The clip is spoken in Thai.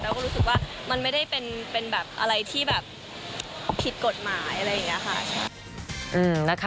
รู้สึกว่ามันไม่ได้เป็นแบบอะไรที่แบบผิดกฎหมายอะไรอย่างนี้ค่ะ